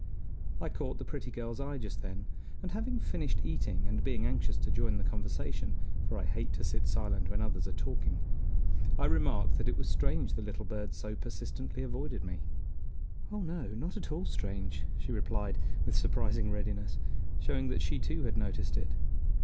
I caught the pretty girl's eye just then, and having finished eating, and being anxious to join the conversation, for I hate to sit silent when others are talking. I remarked that it was strange the little birds so persistently avoided me. "Oh no, not at all strange," she replied, with surprising readiness, showing that she too had noticed it.